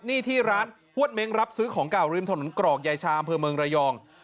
นี่ที่ร้านฮวดเม้งรับซื้อของเก่าริมถนนกรอกยายชาอำเภอเมืองระยอง